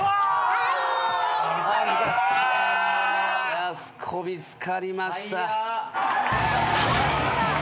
やす子見つかりました。